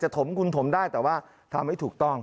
ถมคุณถมได้แต่ว่าทำให้ถูกต้อง